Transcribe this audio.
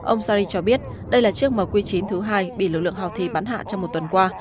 ông sari cho biết đây là chiếc m quy chín thứ hai bị lực lượng houthi bắn hạ trong một tuần qua